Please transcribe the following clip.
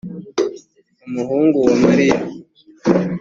umuhungu wa mariya